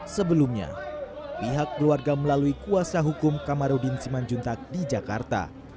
sebelumnya pihak keluarga melalui kuasa hukum kamarudin simanjuntak di jakarta